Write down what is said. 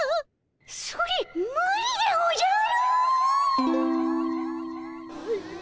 それむりでおじゃる！